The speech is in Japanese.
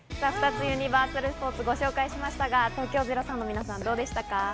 ２つユニバーサルスポーツ、ご紹介しましたが、東京０３の皆さん、どうでしたか。